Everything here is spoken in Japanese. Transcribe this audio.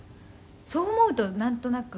「そう思うとなんとなく」